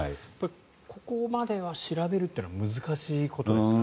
ここまで調べるのは難しいことなんですか？